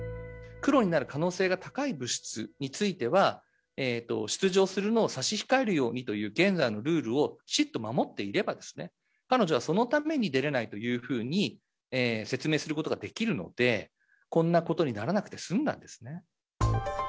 黒になる可能性が高い物質については、出場するのを差し控えるようにという現在のルールをきちっと守っていればですね、彼女はそのために出れないというふうに説明することができるので、こんなことにならなくて済んだんですね。